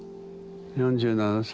４７歳。